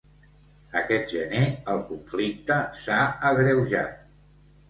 Aquest gener el conflicte s'ha agreujat.